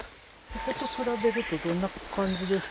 そこと比べるとどんな感じですか？